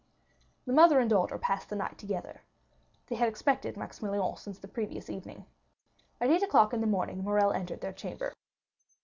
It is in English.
The mother and daughter passed the night together. They had expected Maximilian since the previous evening. At eight o'clock in the morning Morrel entered their chamber.